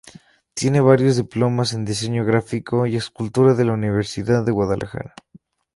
Tiene varios diplomas en diseño gráfico y escultura de la Universidad de Guadalajara.